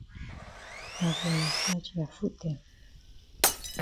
I go massage ya foot dem.